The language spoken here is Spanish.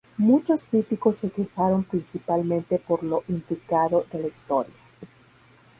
Muchos críticos se quejaron principalmente por lo intrincado de la historia.